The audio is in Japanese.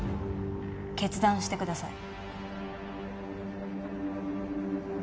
決断してください。